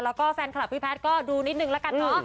แล้วก็แฟนคลับพี่แพทย์ก็ดูนิดนึงละกันเนอะ